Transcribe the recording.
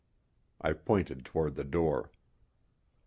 I pointed toward the door.